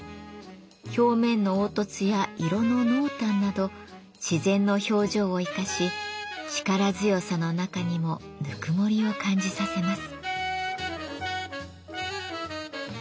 表面の凹凸や色の濃淡など自然の表情を生かし力強さの中にもぬくもりを感じさせます。